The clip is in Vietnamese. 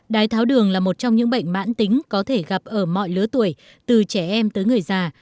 đái tháo đường ở trẻ em là một trong những bệnh mãn tính có thể gặp ở mọi lứa tuổi từ trẻ em tới người già